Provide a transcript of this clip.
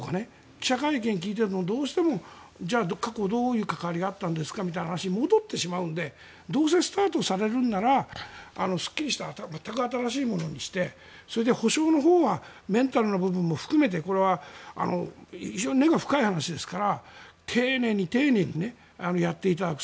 記者会見を聞いていてもどうしてもじゃあ過去どういう関わりがあったんですかみたいな話に戻ってしまうのでどうせスタートされるんだったらすっきりした全く新しいものにしてそれで補償のほうはメンタルの部分も含めてこれは非常に根が深い話ですから丁寧に丁寧にやっていただく。